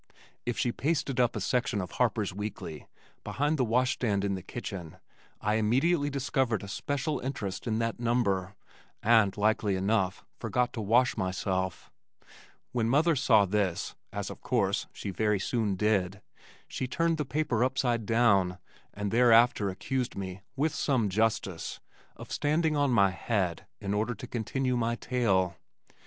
If she pasted up a section of Harper's Weekly behind the washstand in the kitchen, I immediately discovered a special interest in that number, and likely enough forgot to wash myself. When mother saw this (as of course she very soon did), she turned the paper upside down, and thereafter accused me, with some justice, of standing on my head in order to continue my tale.